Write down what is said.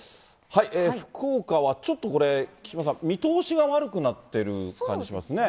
福岡はちょっとこれ、木島さん、見通しが悪くなってる感じしますね。